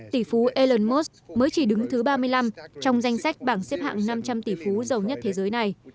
tỷ phú elon musk mới chỉ đứng thứ ba mươi năm trong danh sách bảng xếp hạng năm trăm linh tỷ phú giàu nhất thế giới này